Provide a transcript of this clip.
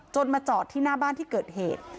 มาจอดที่หน้าบ้านที่เกิดเหตุ